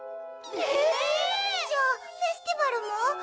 えぇ⁉じゃあフェスティバルも？